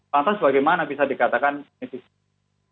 lantas bagaimana bisa dikatakan nevis idem